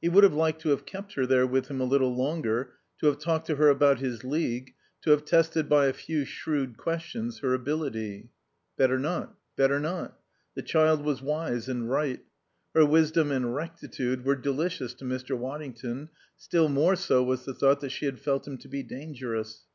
He would have liked to have kept her there with him a little longer, to have talked to her about his League, to have tested by a few shrewd questions her ability. Better not. Better not. The child was wise and right. Her wisdom and rectitude were delicious to Mr. Waddington, still more so was the thought that she had felt him to be dangerous.